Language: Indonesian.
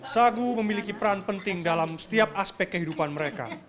sagu memiliki peran penting dalam setiap aspek kehidupan mereka